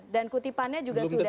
dan kutipannya juga sudah banyak